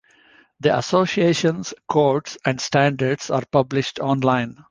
The association's codes and standards are published online.